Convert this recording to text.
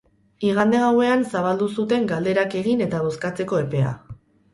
Igande gauean zabaldu zuten galderak egin eta bozkatzeko epea.